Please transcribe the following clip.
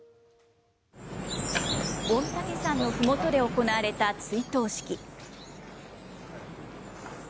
御嶽山のふもとで行われた追悼式。